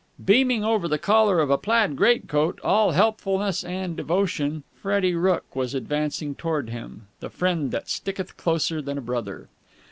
Beaming over the collar of a plaid greatcoat, all helpfulness and devotion, Freddie Rooke was advancing towards him, the friend that sticketh closer than a brother.